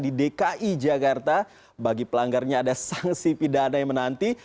di dki jakarta bagi pelanggarnya ada sanksi pidana yang menanti